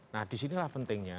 nah disinilah pentingnya